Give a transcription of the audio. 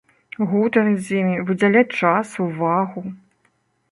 Гутарыць з імі, выдзяляць час, увагу.